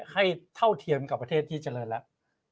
เท่าเทียมกับประเทศที่เจริญแล้ว